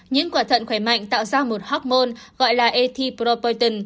những quả thận khỏe mạnh tạo ra một hormone gọi là ethylpropoietin